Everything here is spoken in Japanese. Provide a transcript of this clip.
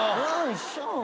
一緒。